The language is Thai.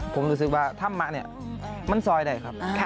ผมรู้สึกว่าธรรมะเนี่ยมันซอยได้ครับ